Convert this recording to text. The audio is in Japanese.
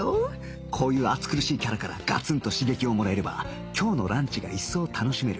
こういう暑苦しいキャラからガツンと刺激をもらえれば今日のランチが一層楽しめる